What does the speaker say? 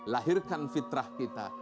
lahirkan fitrah kita